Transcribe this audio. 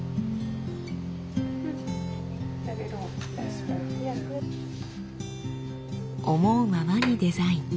思うままにデザイン。